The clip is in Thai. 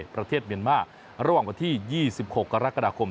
ประเทศเมียนมาร์ระหว่างวันที่๒๖กรกฎาคม